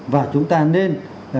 và chúng ta nên